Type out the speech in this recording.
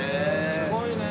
すごいね。